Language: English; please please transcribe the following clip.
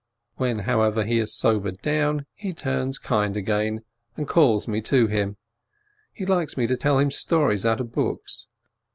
When, however, he has sobered down, he turns kind again, and calls me to him; he likes me to tell him "stories" out of books.